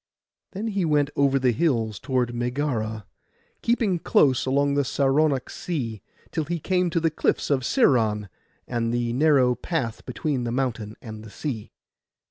Then he went over the hills toward Megara, keeping close along the Saronic Sea, till he came to the cliffs of Sciron, and the narrow path between the mountain and the sea.